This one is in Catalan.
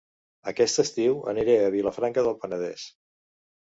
Aquest estiu aniré a Vilafranca del Penedès